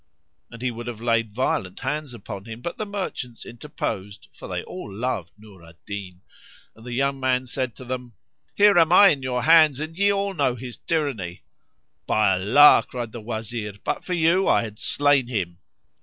And he would have laid violent hands upon him, but the merchants interposed (for they all loved Nur al Din), and the young man said to them, "Here am I in your hands and ye all know his tyranny." "By Allah," cried the Wazir, "but for you I had slain him!"